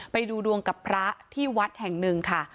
ไปดูดวงกับพระที่วัดแห่งหนึ่งค่ะ